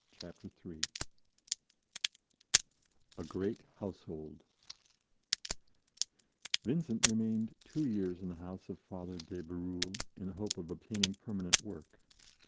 Chapter 3 A GREAT HOUSEHOLD VINCENT remained two years in the house of Father de Bérulle, in the hope of obtaining permanent work.